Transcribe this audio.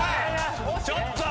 ちょっと！